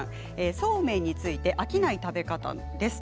そうめんについて飽きない食べ方です。